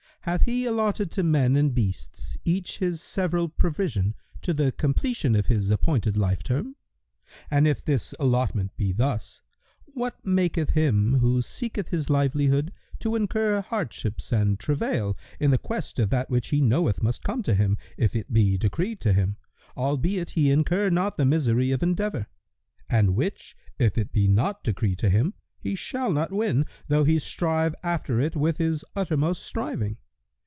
Hath He alloted to men and beasts each his several provision to the completion of his appointed life term; and if this allotment be thus, what maketh him who seeketh his livelihood to incur hardships and travail in the quest of that which he knoweth must come to him, if it be decreed to him, albeit he incur not the misery of endeavour; and which, if it be not decreed to him, he shall not win, though he strive after it with his uttermost striving?